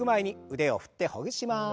腕を振ってほぐします。